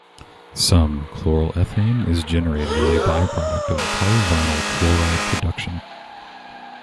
Some chloroethane is generated as a byproduct of polyvinyl chloride production.